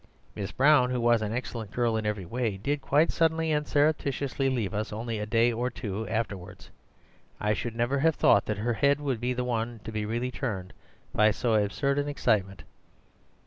Miss Brown, who was an excellent girl in every way, did quite suddenly and surreptitiously leave us only a day or two afterwards. I should never have thought that her head would be the one to be really turned by so absurd an excitement.